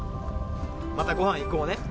またごはん行こうね。